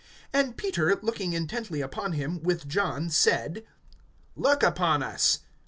(4)And Peter, looking intently upon him, with John, said: Look upon us.